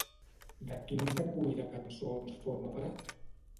De quin recull de cançons forma part?